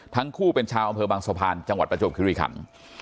ทั้งคู่เป็นชาวอำเภอบางสะพานจังหวัดประจวบคิริขัน